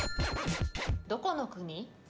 どこの国？